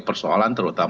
persoalan yang ada di dalam